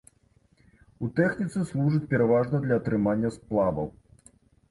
У тэхніцы служыць пераважна для атрымання сплаваў.